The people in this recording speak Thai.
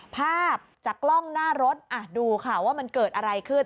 ภาพจากกล้องหน้ารถดูค่ะว่ามันเกิดอะไรขึ้น